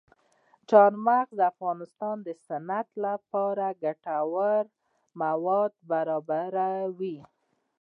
چار مغز د افغانستان د صنعت لپاره ګټور مواد برابروي.